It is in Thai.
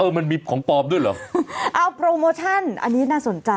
มันมีของปลอมด้วยเหรอเอาโปรโมชั่นอันนี้น่าสนใจ